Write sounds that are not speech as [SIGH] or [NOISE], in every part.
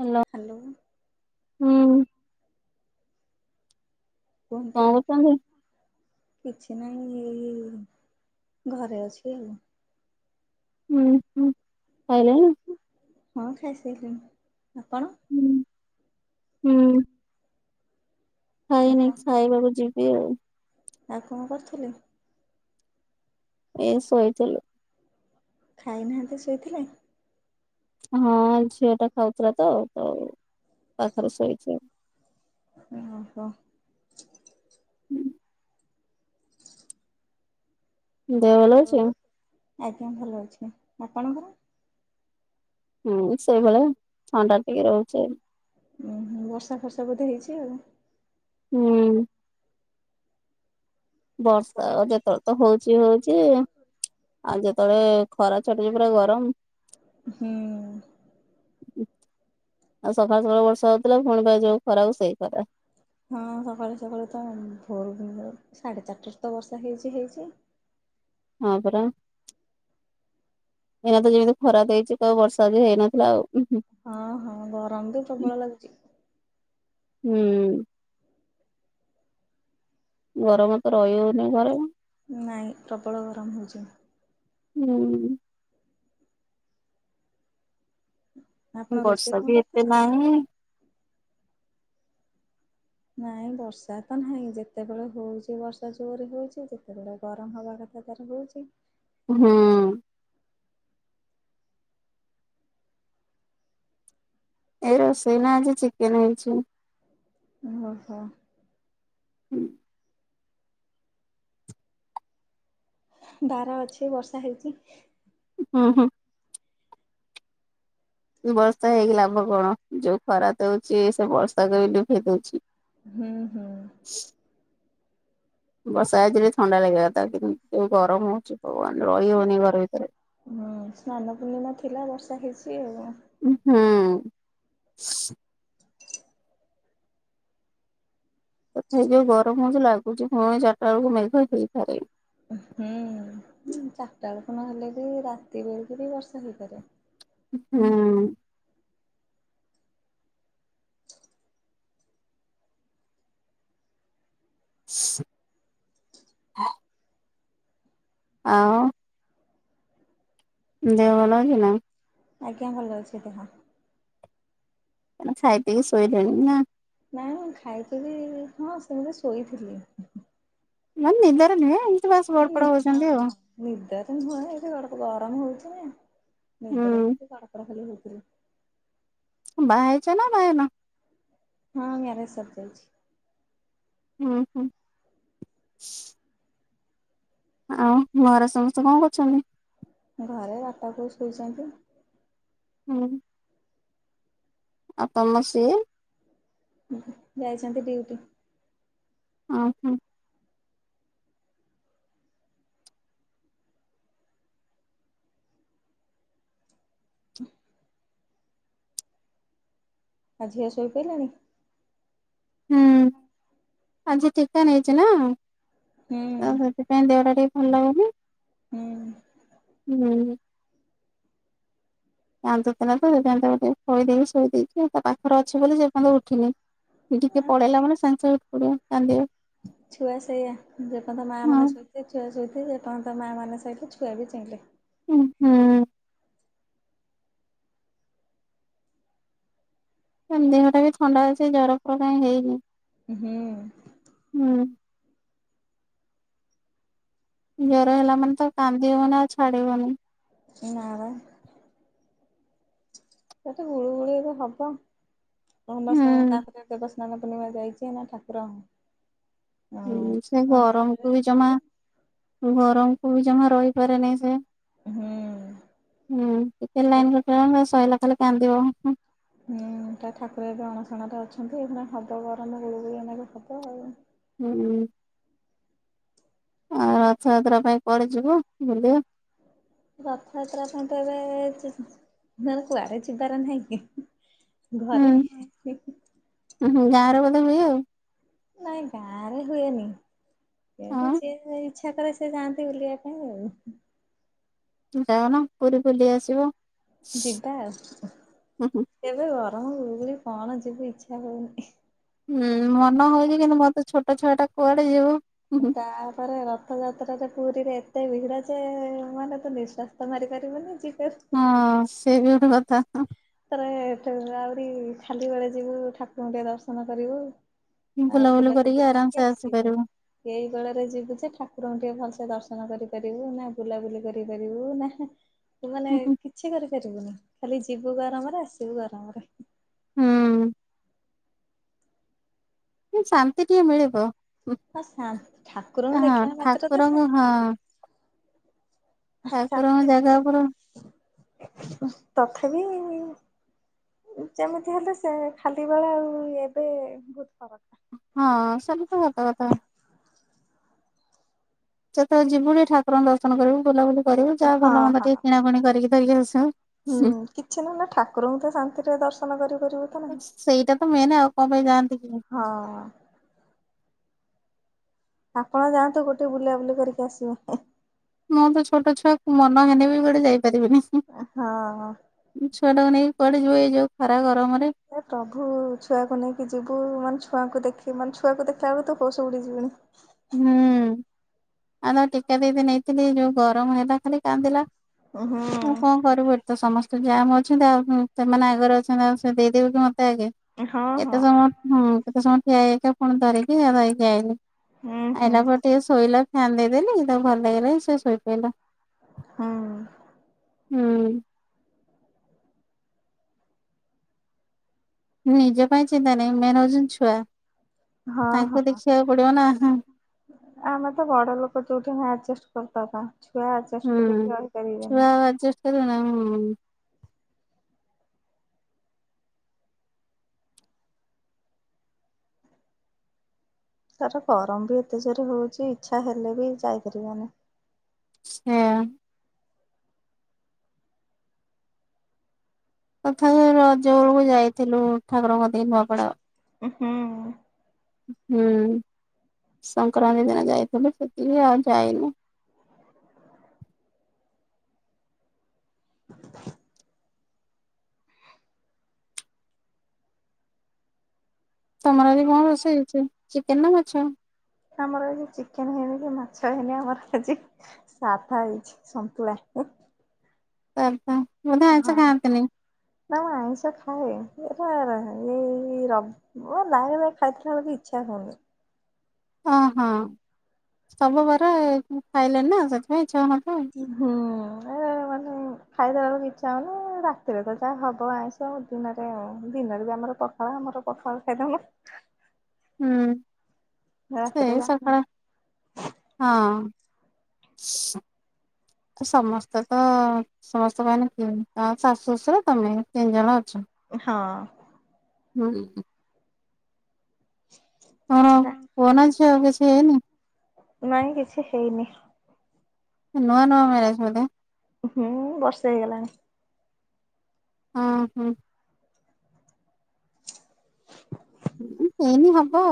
Hello. Hello. କଣ କୁହନ୍ତୁ। କରୁଛନ୍ତି? କିଛି ନାହିଁ ଏଇ ଘରେ ଅଛି ଆଉ। ହୁଁ ହୁଁ ଖାଇଲଣି। ହଁ ଖାଇସାଇଲିଣି ଆପଣ ଉୁଁ ଉଁ। ଖାଇନି ଆପଣ ଖାଇବାକୁ ଯିବି ଆଉ। ଆଉ କଣ କରୁଥିଲେ। ଏ ଶୋଇଥିଲି। ଖାଇନାହାନ୍ତି ଶୋଇଥିଲେ। ହଁ ଝିଅ ଟା ଖାଉଥିଲା ତ ତ ତା ପାଖରେ ଶୋଇଛି ଆଉ। ଓହୋ। ହୁଁ। ଦେହ ଭଲ ଅଛି ଆଉ। ଆଜ୍ଞା ଭଲ ଅଛି ଆପଣଙ୍କର ହୁଁ ସେଇଭଳିଆ ଥଣ୍ଡା ଟିକେ ରହୁଛି ଆଉ। ଉଁ ହୁଁ ବର୍ଷା ଫର୍ଷା ବୋଧେ ହେଇଛି ଆଉ। ହୁଁ। ବର୍ଷା ଯେତେଳେ ତ ହଉଛି ହଉଛି ଆ। ଆଉ ଯେତେବେଳେ ଖରା ଛାଟୁଚି ପୁରା ଗରମ। ହୁଁ। ଆଉ ସକାଳ ସକାଳ ବର୍ଷା ହଉଥିଲା ପୁଣି ପାଇଁ ଯୋଉ ଖରା କୁ ସେଇ ଖରା। ହଁ ସକାଳୁ ସକାଳୁ ତ ଭୋର ସାଢେ ଚାରିଟାରେ ତ ବର୍ଷା ହେଇଛି ହେଇଛି। ହଁ ପରା। ଏଇନା ତ ଯେମିତି ଖରାପ ଦେଇଛି ତ ବର୍ଷା ବି ହେଇନଥିଲା ଆଉ। ହଁ ହଁ ଗରମ ବି ପ୍ରବଳ ଲାଗୁଚି। ହୁଁ। ଗରମ ତ ରଇ ହଉନି ଘରେ ନାଇଁ ପ୍ରବଳ ଗରମ୍ ହଉଛି। ହୁଁ। ଆପଣ କି ରୋଷେଇ ବର୍ଷା କଣ ବି ଏତେ କରିଥିଲେ? ନାଇଁ ନାଇଁ ବର୍ଷା ତ ନାହିଁ ଯେତେବେଳେ ହଉଛି ବର୍ଷା ଜୋରେ ହଉଛି ଯେତେବେଳେ ଗରମ୍ ହବା କ ତା ପରେ ହଉଛି। ହଁ ଏ ରୋଷେଇ ନା ଆଜି ଚିକେନ୍ ହେଇଛି। ଓହୋ। ହୁଁ [INAUDIBLE] ବାର ଅଛି ବର୍ଷା ହେଇଛି। ହୁଁ ହୁଁ। ବର୍ଷା ହେଇକି ଲାଭ କଣ ଯୋଉ ଖରା ଦଉଚି ସେ ବର୍ଷାକୁ ବି ଲିଭେଇ ଦଉଛି। ହୁଁ ହୁଁ। ବର୍ଷା ହେଇଥିଲେ ଥଣ୍ଡା ଲାଗିବା କଥା କିନ୍ତୁ ଯୋଉ ଗରମ୍ ହଉଛି ଭଗବାନ୍ ରହି ହଉନି ଏ ଘର ଭିତରେ। ହୁଁ ସ୍ନାନ ପୂର୍ଣ୍ଣିମା ଥିଲା ବର୍ଷା ହେଇଛି ଆଉ। ହୁଁ। ତଥାପି ଯୋଉ ଗରମ ହଉଛି ଲାଗୁଛି ପୁଣି ଚାରିଟା ବେଳକୁ ମେଘ ହେଇଥାଇ ପାରେ। ହୁଁ ଚାରିଟା ବେଳୁକୁ ନ ହେଲେ ବି ରାତି ବେଳୁକୁ ବି ବର୍ଷା ହେଇପାରେ। ହୁଁ। [UNINTELLIGIBLE] ଆଉ ଦେହ ଭଲ ଅଛି ନା? ଆଜ୍ଞା ଭଲ ଅଛି ଦେହ। କଣ ଖାଇ ପିଇ ଶୋଇଲେଣି ନା ନାଇଁ ମୁଁ ଖାଇଥିଲି ହଁ ସେମିତି ଶୋଇଥିଲି। ନା ନିଦରେ ନୁହେଁ ଏମ୍ ତି ବାସ୍ ହଁ ଗଡପଡ ହଉଛନ୍ତି ଆଉ। ହଁ ନିଦରେ ନୁହେଁ ଏମ୍ ତି ଗଡପଡ ଗରମ୍ ହଉଛି ନିଦରେ ଏମ୍ ହୁଁ ତି ଗଡପଡ ଖାଲି ହଉଥିଲି। ବାହା ହେଇଛ ନା ବାହା ହେଇନ? ହଁ ମ୍ୟାରେଜ୍ ସରିଯାଇଛି। ହୁଁ ହୁଁ। ଆଉ ଘରେ ସମସ୍ତେ କଣ କରୁଛନ୍ତି? ଘରେ ବାପା ବୋଉ ଶୋଇଚନ୍ତି। ହୁଁ। ଆଉ ତମ ସିଏ? ଯାଇଛନ୍ତି ଡ୍ୟୁଟି। ଅ ହଁ। ଆଉ ଝିଅ ଶୋଇ ପଇଲାଣି? ହୁଁ ଆଜି ଟୀକା ନେଇଚି ନା। ହୁଁ। ସେଥି ପାଇଁ ଦେହଟା ଟିକେ ଭଲ୍ ଲାଗୁନି। ହୁଁ। ହୁଁ କାନ୍ଦୁଥିଲା ତ ସେଥିପାଇଁ ତାକୁ ଟିକେ ଖୋଇଦେଇକି ଶୋଇ ଦେଇଚି ତା ପାଖରେ ଅଛି ବୋଲି ସେ ଏପର୍ଯ୍ୟନ୍ତ ଉଠିନି। ଟିକେ ପଳେଇଲା ମାନେ ସାଙ୍ଗେ ସାଙ୍ଗେ ଉଠିପଡିବ କାନ୍ଦିବ। ଛୁଆ ସେଇଆ ଯେପର୍ଯ୍ୟନ୍ତ ମା ହଁ ମାନେ ଶୋଇଥିବେ ଛୁଆ ଶୋଇଥିବେ ଯେ ପର୍ଯ୍ୟନ୍ତ ମାଆ ମାନେ ଚେଇଁଲେ ଛୁଆ ବି ଚେଇଁଲେ। ଉଁ ହୁଁ। ତା ଦେହ ଟା ବି ଥଣ୍ଡା ଅଛି ଜର ଫର କାଇଁ ହେଇନି। ହୁଁ। ହୁଁ। ଜର ହେଲା ମାନେ ତ କାନ୍ଦିବମାନେ ଆଉ ଛାଡିବନି। ନା ବା। ଏତେ ଗୁଳୁଗୁଳି ହବ। ରମସା ହୁଁ। ତାପରେ ଦେବସ୍ନାନ ପୂର୍ଣ୍ଣିମା ଯାଇଛି ନା ଠାକୁରଙ୍କ ହୁଁ ସେ ଗରମକୁ ବି ଜମା ଗରମକୁ ବି ଜମା ରହିପାରେନି ସେ। ହୁଁ ହୁଁ ଟିକେ ଲାଇନି କଟା ହେଲେ ଶଇଲା ଖାଲି କାନ୍ଦିବ ହଁ। ହୁଁ ଠା ଠାକୁର ଏବେ ଅଣଶଣରେ ଅଛନ୍ତି ଏଇ ଖିଣା ହବ ଗରମ ଗୁଳୁଗୁଳି ଏଇନାକେ ହବ ଆଉ। ହୁଁ ହୁଁ। ଆଉ ରଥଯାତ୍ରା ପାଇଁ କୁଆଡେ ଯିବ ବୁଲିବା। ରଥଯାତ୍ରା ପାଇଁ ତ ଏବେ ସେ ହେଲେ କୁଆଡ଼େ ଯିବାର ନାହିଁକି ଘରେ। ଉଁ ହୁଁ ଗାଁରେ ବୋଧେ ହୁଏ ଆଉ। ନାଇଁ ଗାଁରେ ହୁଏନି ତେବେ ଆଉ ସିଏ ଏଇ ଇଛାକରେ ସେ ଯାଆନ୍ତି ବୁଲିବା ପାଇଁ ଆଉ। ଯାଉନ ପୁରୀ ବୁଲି ଆସିବ। ଯିବା ହୁଁ ଏବେ ଗରମ ଗୁଳୁଗୁଳି କଣ ଯିବି ଇଛା ହଉନି। ହୁଁ ମନ ହଉଛି କିନ୍ତୁ ମୋରତ ଛୋଟ ଛୁଆ ଟା କୁଆଡେ ଯିବୁ। ତାପରେ ର ରଥଯାତ୍ରାରେ ପୁରୀରେ ଏତେ ଭିଡ଼ ଯେ ମାନେ ତ ନିଃଶ୍ୱାସ ତ ମାରିପାରିବୁନି ଯିବେ ସେଏବି ଗୋଟେ କଥା ହଁ। ଥରେ ଆହୁରି ଖାଲି ବେଳେ ଯିବୁ ଠାକୁରଙ୍କୁ ଟିକେ ଦର୍ଶନ କରିବୁ। ଆଉ ବୁଲାବୁଲି ବୁଲା ବୁଲି କରିକି ଆରାମସେ ଆସିବୁ। ଆସିପାରିବ। ଏଇ ବେଳରେ ଯିବୁ ଯେ ଠାକୁରଙ୍କୁ ଟିକେ ଭଲସେ ଦର୍ଶନ କରିପାରିବୁ ନା ବୁଲାବୁଲି କରିପାରିବୁ ନା ତୁ ମାନେ ହୁଁ ହୁଁ କିଛି କରିପାରିବୁନି ଖାଲି ଯିବୁ ଗରମରେ ଆସିବୁ ଗରମରେ। ହୁଁ। ଉ ଶାନ୍ତି ଟିକେ ମିଳିବ। ହଁ ଶା ଠାକୁରଙ୍କୁ ହଁ ଦେଖିଲା ମାତ୍ର ତ ଠାକୁରଙ୍କୁ ହଁ ଶାନ୍ତି। ଠାକୁରଙ୍କ ଶାନ୍ତି ଜାଗା ମିଳେ ଉପରୁ ପା ତଥାପି ଯେମିତି ହେଲେ ସେ ଖାଲି ବେଳେ ଆଉ ଏବେ ବହୁତ୍ ଫରକ। ହଁ ସେମିତି ସତ କଥା। ସେତେବେଳେ ଯିବୁ ଟିକେ ଠାକୁଙ୍କୁ ଦର୍ଶନ କରିବୁ ବୁଲାବୁଲି କରିବୁ ଯାହା ହଁ ଭଲ ମନ୍ଦ ହଁ ଟିକେ କିଣାକଣି କରିକି ଧରିକି ଆସିବୁ। ହୁଁ କିଛି ନହେଲେ ଠାକୁରଙ୍କୁ ତ ଶାନ୍ତିରେ ଦର୍ଶନ କରିପାରିବୁ। ତ ନାହିଁ। ସେଇଟା ତ ମେନେ ଆଉ କଣ ପାଇଁ ଯାଆନ୍ତି କି। ହଁ। ଆପଣ ଯାଆନ୍ତୁ ଗୋଟେ ବୁଲା ବୁଲି କରିକି ଆସିବ। ମୋର ତ ଛୋଟ ଛୁଆ ମନ ହେନେ ବି କୁଆଡେ ଯାଇ ପାରିବିନି। ହଁ। ଛୁଆ ଟାକୁ ନେଇକି କୁଆଡେ ଯିବ ଏଇ ଯୋଉ ଖରା ଗରମରେ। ଏ ପ୍ରଭୁ ଛୁଆକୁ ନେଇକି ଯିବୁ ମାନେ ଛୁଆକୁ ଦେଖିବି ମାନେ ଛୁଆକୁ ଦେଖିଲା ବେଳୁ ତ ହୋଷ ଭଡି ଯିବନି। ହୁଁ ଆଉ ନା ଟିକା ଦେଇତେ ନେଇଥିଲି ଯୋଉ ଗରମ ହେଲା ଖାଲି କାନ୍ଦିଲା। ମୁଁ କଣ ହୁଁ କରିବୁ ଏ ତ ସମସ୍ତେ ଯାମ ଅଛି ତା ହୁଁ ସେମାନେ ଆଗରେ ଅଛନ୍ତି ଆଉ ସେ ଦେଇଦେବେ କି ମତେ ଆଗେ। ହଁ ହଁ ଏତେ ସମୟ ହଁ କେତେ ସମୟ ଠିଆ ହୋଇ ହେଇକା ପୁଣି ଧରିକି ଧରିକି ଆଇଲି। ହୁଁ ହୁଁ। ଆଇଲା ପରେ ଟିକେ ଶୋଇଲା ଫ୍ୟାନ୍ ଦେଇଦେଲି ତାକୁ ଭଲ ଲାଗିଲା ଯେ ସେ ଶୋଇପଇଲା। ହୁଁ। ହୁଁ। ନିଜ ପାଇଁ ଚିନ୍ତା ନାହିଁ ମେନ୍ ହଉଛନ୍ତି ଛୁଆ ହଁ ତାଙ୍କୁ ହଁ। ଦେଖିବାକୁ ପଡିବନା ହୁଁ। ଆମେ ତ ବଡ ଲୋକ ଯୋଉଠି ନ ଆଡଜଷ୍ଟ କରି ପାରୁନା ଛୁଆ ଆଡଜଷ୍ଟ ହୁଁ କରିକି ଛୁଆ ରହିପାରିବେନି। [UNINTELLIGIBLE] ତାର ଗରମ ବି ଏତେ ଜୋରେ ହଉଛି ଇଛା ହେଲେ ବି ଯାଇପାରିବନି। ହେଁ। ତଥାପି ରଜ ବଳୁକୁ ଯାଇଥିଲୁ ଠାକୁରଙ୍କ ଦେଇ ନୂଆପଡା। ଉଁ ହୁଁ। ହୁଁ ସଂକ୍ରାନ୍ତି ଦିନ ଯାଇଥିଲୁ ସେତିକି ଆଉ ଯାଇନୁ। ତମର ଆଜି କଣ ରୋଷେଇ ହେଇଛି ଚିକେନ ନା ମାଛ? ଆମର ଆଜି ଚିକେନ ହେଇନି କି ମାଛ ହେଇନି ଆମର ଆଜି। ସାଧା ହେଇଛି ସନ୍ତୁଳା। ଓହୋ। ହଁ ନାଇଁ ଆଇଁଷ ଖାଏ ଏରା ରହ ଏଇ ର ମୋ ନାଇଁ ଭଳିଆ ଖାଇଥିଲି ବେଳୁକୁ ଇଚ୍ଛା ହଉନି। ଓହଁ ସବୁ ବାରେ ଖାଇଲେଣି ନା ସେଥିପାଇଁ ଇଛା ହଉନଥିବ ଆଉ। କି ହଁ ଏ ମାନେ ମାନେ। ଖାଇଦେବାକୁ ଇଚ୍ଛା ହଉନି ରାତିରେ ତ ଯାହା ହବ ଆଇଁଷ ଦିନରେ ଆଉ ଦିନରେ ବି ଆମର ତ ହ ଆମର ପଖାଳ ଖାଇଦଉନୁ। ହୁଁ ରାତିରେ ସେଇ ଯା ସକାଳ। ହଁ। ସମସ୍ତେ ତ। ସମସ୍ତଙ୍କ ପାଇଁ କି ଶାଶୁ ଶ୍ୱଶୁର ତମେ ତିନିଜଣ ଅଛ? ହଁ। ହୁଁ। କଣ ପୁଅ ନା ଝିଅ କିଛି ହେଇନି? ନାଇଁ କିଛି ହେଇନି। ନୂଆ ନୂଆ ମ୍ୟାରେଜ ବୋଧେ? ହୁଁ ବର୍ଷେ ହେଇଗଲାଣି। ହଁ ହଁ। ହୁଁ ହେଇନି ହବ।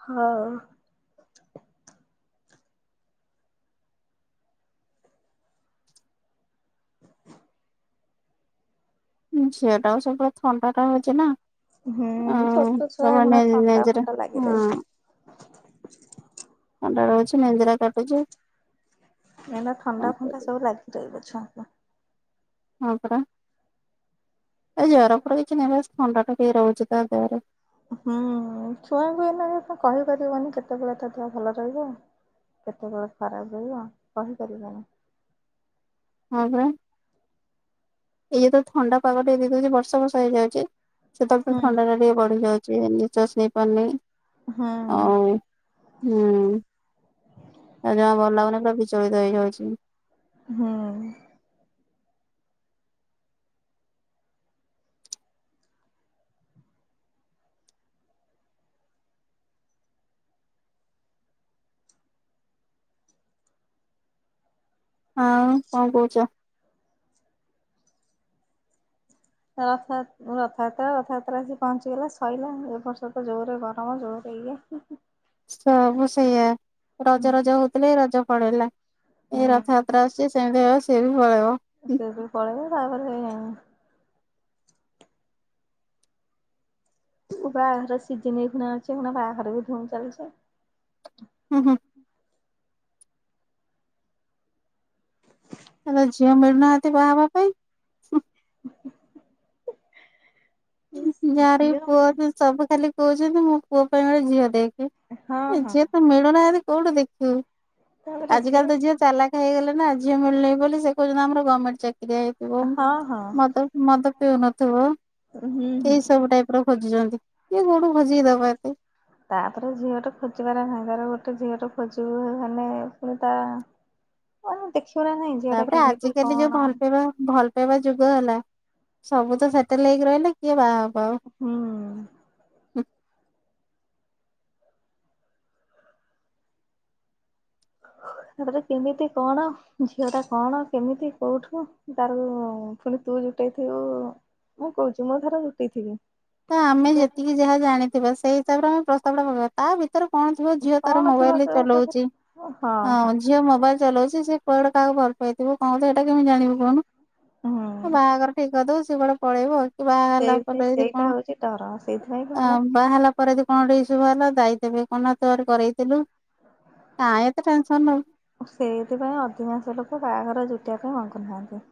ହଁ। ହୁଁ ଝିଅଟାକୁ ସବୁବଳେ ଥଣ୍ଡାଟା ହଉଛି ନା। ହୁଁ ଅଁ ଛୋଟ ଛୁଆ ସବୁ ଏଇଖୁଣା ମାନେ ଥଣ୍ଡା ନେଞ୍ଜର ଫଣ୍ଡା ଲାଗି ହଁ। ରହିବ ଥଣ୍ଡା ରହୁଛି ନେଞ୍ଜେରା କାଟୁଚି। ଏଇନା ଥଣ୍ଡା ଫଣ୍ଡା ସବୁ ଲାଗି ରହିବ ଛୁଆଙ୍କୁ। ହଁ ପରା ଏ ଜର ଫର କିଛି ନାଇଁ ବାସ୍ ଥଣ୍ଡାଟା ଟିକେ ରହୁଛି ତା ଦେହରେ। ହୁଁ ଛୁଆଙ୍କୁ ଏଇନାକେ ତ କହିପାରିବନି କେତେବେଳେ ତା ଦେହ ଭଲ ରହିବ। କେତେବେଳେ ଖରାପ ରହିବ କହିପାରିବନି। ହଁ ପରା। ଇଏ ତ ଥଣ୍ଡା ପାଗ ଟିକେ ଦେଇଦଉଛି ବର୍ଷା ଫର୍ଷା ହେଇଯାଉଛି ସେତେବେଳେ ଫୁଣି ହୁଁ। ଥଣ୍ଡାଟା ଟିକେ ବଢିଯାଉଛି। ସେ ନିଶ୍ୱାସ ନେଇ ପାରୁନି ହୁଁ ଆଉ ହୁଁ ଆଉ ଜମା ଭଲ ଲାଗୁନି ପୁରା ବିଚଳିତ ହେଇଯାଉଛି। ହୁଁ। ଆଉ କଣ କହୁଛ ରଥ ରଥଯାତ୍ରା ରଥଯାତ୍ରା ଆସିକି ପହଞ୍ଚିଗଲା ସୋଇଲା ଏବ ବର୍ଷ ତ ଯୋରେ ଗରମ ଯୋର। ସେଇଆ ସବୁ ସେଇଆ ରଜ ରଜ ହଉଥିଲେ ରଜ ପଳେଇଲା ଏଇ ହୁଁ। ରଥଯାତ୍ରା ଆସୁଛି ସେମିତି ହେଇକି ସିଏବି ପଳେଇବ। ସିଏ ବି ପଳେଇବ ତାପରେ ବାହାଘର ସିଜିନ ଏଇ କୁଣା ଏଇନେ ବାହାଘର ବି ଧୁମ୍ ଚାଲୁଛି। ହୁଁ ହୁଁ। ଝିଅ ମିଳୁନାହାନ୍ତି ବାହା ହବା ପାଇଁ। [INAUDIBLE] ଯାହାର ଝିଅ ପୁଅ ସବୁ ଖାଲି କହୁଛନ୍ତି ମୋ ପୁଅ ପାଇଁ ଗୋଟେ ଝିଅ ଦେଖ୍। ହଁ ହଁ। ଝିଅ ତ ମିଳୁନାହାନ୍ତି କୋଉଠି ଦେଖିବୁ ଆଜି କାଲି ତ ଝିଅ। ଚାଲାକ୍ ହେଇଗଲେଣି ନା ଝିଅ ମିଳୁନି ବୋଲି ସେ କହୁଛନ୍ତି ଆମର ଗଭର୍ଣ୍ଣମେଣ୍ଟ ଚାକିରିଆ ହେଇଥିବ ହଁ ହଁ ମତ ମଦ ପିଉ ନଥିବ। ହୁଁ ଏଇ ହୁଁ। ସବୁ ଟାଇପ ର ଖୋଜୁଛନ୍ତି କିଏ କୋଉଠୁ ଖୋଜିିକି ଦବ ଆକୁ। ତାପରେ ଝିଅ ଟେ ଖୋଜିବାର ନାହିଁ ତାର ଗୋଟେ ଝିଅ ଟେ ଖୋଜିବୁ ମାନେ ପୁଣି ତା ଦେଖିବୁ ନା ନାଇଁ। ଝିଅ ଟା ତାପରେ କେମିତି ଆଜିକାଲି କଣ ଯୋଉ ଭଲ ପାଇବା ଭଲ ପାଇବା ଯୁଗ ହେଲା ସବୁ ତ ସେଟେଲ ହେଇକି ରହିଲେ କିଏ ବାହା ହବ ଆଉ। ହୁଁ। [INAUDIBLE] ତାପରେ କେମିତି କଣ ଝିଅ ଟା କଣ କେମିତି କୋଉଠୁ ତାର ପୁଣି ତୁ ଜୁଟେଇଥିବୁ ମୁଁ କହୁଛିୁ ମୋ ଧର ଜୁଟେଇଥିବି ତ ଆମେ ଝିଅଟା ଯେତିକି ଯାହା ଜାଣିଥିବା ସେଇ ହିସାବରେ ଆମ ପ୍ରସ୍ତାବଟା ପକେଇବା ତା ଭିତରେ ତାର କଣ ଥିବ ଝିଅ ତାର କଣ ଥିବ ମୋବାଇଲ ରେ ତୋ ପାଖରେ ଚଲଉଛି ହଁ ଆ ହଁ ଝିଅ ମୋବାଇଲ ଚଲଉଛି। ସେ କୁଆଡେ କାହାକୁ ଭଲ ପାଇଥିବ କଣ କରିଥିବ ହେଟା କେମିତି ଜାଣିବୁ କହୁନୁ। ହୁଁ ବାହାଘର ଠିକ କରିଦବୁ ସିଏ କୁଆଡେ ପଳେଇବ କି ବାହା ହେଲା ପରେ ଯଦି କଣ ସେଟା ହଉଛି ଡ଼ର ସେଇଥିପାଇଁ କି ଆ ସେମାନେ ବାହା ହେଲା ପରେ ଯଦି କଣ ଟିକେ ଇଶୁ ବାହାରିଲା ଦାୟୀ ଦେବେ କଣ ନା ତୁ କରେଇଥିଲୁ। କାଇଁ ଏତେ ଟେନ୍ସନ ନଉ ସେଇଥିପାଇଁ ଅଧିକାଂଶ ଲୋକ ବାହାଘର ଜୁଟେଇବା ପାଇଁ ମଙ୍ଗୁ ନାହାନ୍ତି।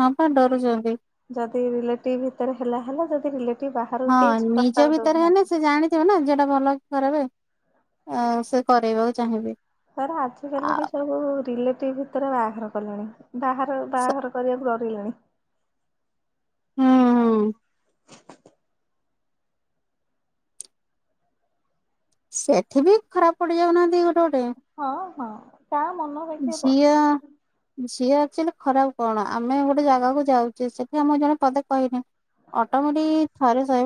ହଁ ପା ଡରୁଛନ୍ତି। ଯଦି ରିଲେଟିଭ ଭିତରେ ହେଲା ହେଲା ଯଦି ରିଲେଟିଭ ବାହାରେ କି ହଁ ନିଜ ପ୍ରସ୍ତାବ ଭିତରେ ହେଲେ ଦଉନାହାନ୍ତି। ସେ ଜାଣିଥିବ ନା ଝିଅ ଟା ଭଲ କି ଖରାପେ ସେ କରରେଇବାକୁ ଚାହିଁବେ। ତାପରେ ଆଜିକାଲି ବି ସବୁ ରିଲେଟିଭ ଭିତରେ ବାହାଘର କଲେଣି। ବାହାରୁ ସେ ବାହଘର କରିବାକୁ ଡରିଲେଣି। ହୁଁ ହୁଁ। ସେଠି ବି ଖରାପ ପଡିଯାଉନାହାନ୍ତି ଗୋଟେ ଗୋଟେ। ହଁ ହଁ ତା ମନ ଦେଖିଆ ଝିଅ ବସିଛି। ଝିଅ ଆକୁଚୁଆଲି ଖରାପ କଣ ଆମେ ଗୋଟେ ଜାଗାକୁ ଯାଉଛେ ସେଠି ଆମ ଜଣେ ପଦେ କହିନେ। ଅଟୋମେଟିକ ଥରେ ସହିବ।